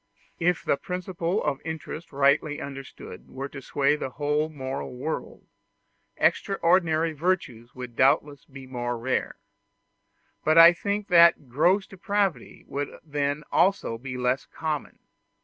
If the principle of interest rightly understood were to sway the whole moral world, extraordinary virtues would doubtless be more rare; but I think that gross depravity would then also be less common.